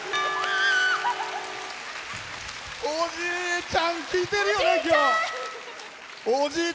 おじいちゃん聴いてるよ、今日。